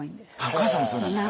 お母さんもそうなんですか？